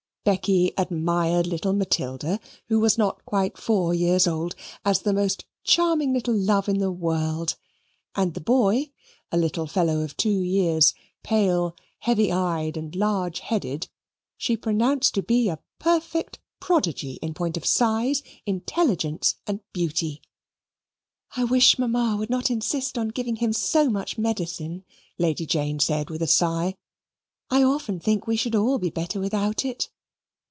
Becky admired little Matilda, who was not quite four years old, as the most charming little love in the world; and the boy, a little fellow of two years pale, heavy eyed, and large headed she pronounced to be a perfect prodigy in point of size, intelligence, and beauty. "I wish Mamma would not insist on giving him so much medicine," Lady Jane said with a sigh. "I often think we should all be better without it."